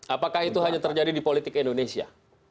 apakah itu hanya terjadi di politik indonesia